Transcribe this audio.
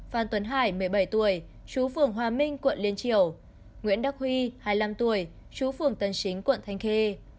phan tuấn hải một mươi bảy tuổi chú phường hòa minh quận liên triều nguyễn đắc huy hai mươi năm tuổi chú phường tân chính quận thanh khê